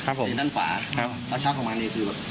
ใช่ด้านฝาแล้วชักออกมาอันนี้คือแบบ